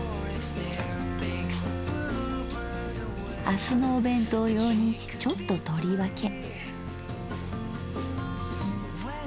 明日のお弁当用にちょっと取り分け。